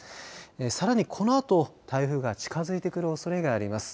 さらにこのあと台風が近づいてくるおそれがあります。